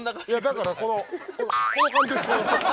だからこのこんな感じでしょ？